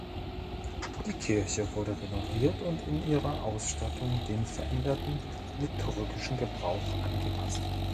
Die Kirche wurde renoviert und in ihrer Ausstattung dem veränderten liturgischen Gebrauch angepasst.